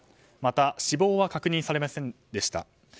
また、死亡は確認されませんでした。